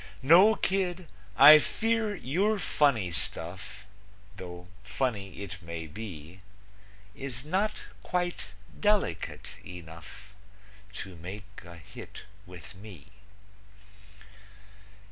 No, kid, I fear your funny stuff, Though funny it may be, Is not quite delicate enough To make a hit with me.